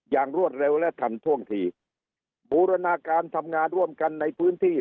รวดเร็วและทันท่วงทีบูรณาการทำงานร่วมกันในพื้นที่